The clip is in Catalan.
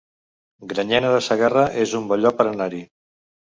Granyena de Segarra es un bon lloc per anar-hi